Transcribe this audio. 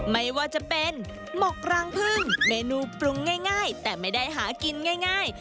ไม่ว่าจะเป็นหมกรังพึ่งเมนูปรุงง่ายแต่ไม่ได้หากินง่าย